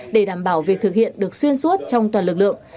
để đảm bảo việc thực hiện được xuyên suốt trong toàn lực lượng